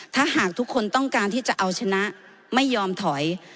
ถ้าหากทุกคนต้องการที่จะเอาชนะไม่ยอมถอย